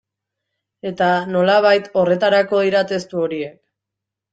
Eta, nolabait, horretarako dira testu horiek.